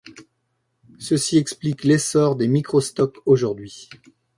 Ceci explique l'essor des Microstocks aujourd'hui.